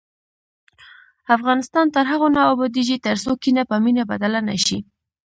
افغانستان تر هغو نه ابادیږي، ترڅو کینه په مینه بدله نشي.